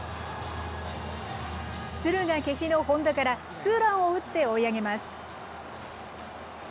敦賀気比の本田からツーランを打って追い上げます。